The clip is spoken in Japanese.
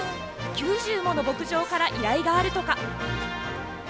９０もの牧場から依頼があるとか。